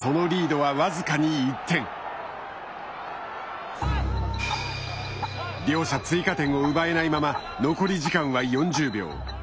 しかし、そのリードは僅かに１点。両者、追加点を奪えないまま残り時間は４０秒。